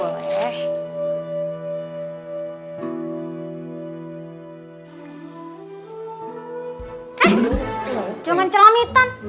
eh jangan celami ton